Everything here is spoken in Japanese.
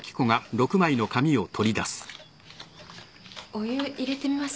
お湯入れてみます。